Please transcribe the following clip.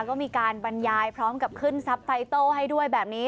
ก็มีการบรรยายพร้อมกับขึ้นทรัพย์ไฟโต้ให้ด้วยแบบนี้